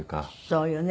そうよね。